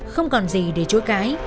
không còn gì để chối cái